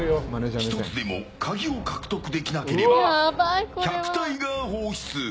１つでもカギを獲得できなければ１００体が放出。